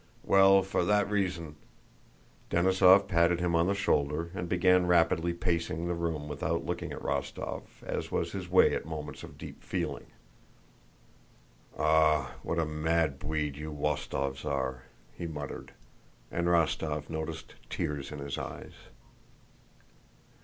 well, for that reason...." Denísov patted him on the shoulder and began rapidly pacing the room without looking at Rostóv, as was his way at moments of deep feeling. "Ah, what a mad bweed you Wostóvs are!" he muttered, and Rostóv noticed tears in his eyes.